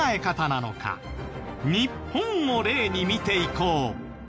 日本を例に見ていこう。